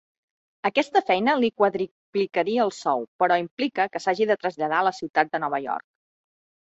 Aquesta feina li quadruplicaria el sou, però implica que s'hagi de traslladar a la ciutat de Nova York.